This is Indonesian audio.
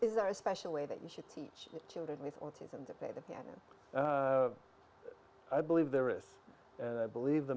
saya mengucapkan keberhasilan saya